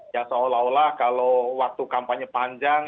ya seolah olah kalau waktu kampanye panjang